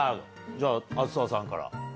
じゃあ梓沢さんから。